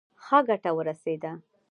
ښه ګټه ورسېده.